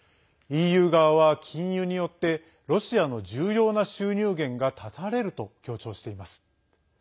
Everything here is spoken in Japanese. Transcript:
ＥＵ側は金融によってロシアの重要な収入源が断たれると強調しています。